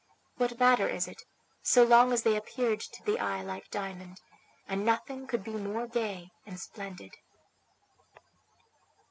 What matter is it, so long as they appeared to the eye like diamond, and nothing could be more gay and splendid.